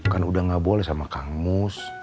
kan udah gak boleh sama kang mus